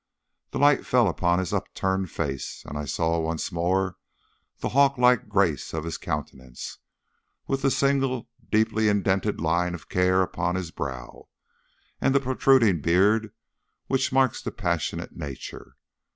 The light fell upon his upturned face, and I saw once more the hawk like grace of his countenance, with the single deeply indented line of care upon his brow, and the protruding beard which marks the passionate nature.